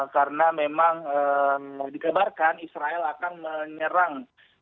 karena memang dikabarkan israel akan menyerang